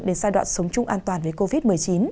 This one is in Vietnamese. đến giai đoạn sống chung an toàn với covid một mươi chín